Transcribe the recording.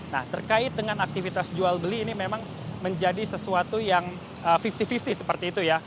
nah terkait dengan aktivitas jual beli ini memang menjadi sesuatu yang lima puluh lima puluh seperti itu ya